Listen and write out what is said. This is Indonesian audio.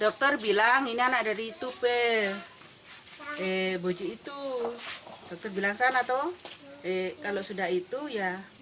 dokter bilang ini anak dari itu p boji itu terbilang sana tuh eh kalau sudah itu ya